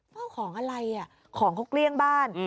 เฝ้าของอะไรอ่ะของเขาเกลี้ยงบ้าน